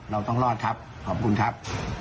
เราต้องรอดครับขอบคุณครับ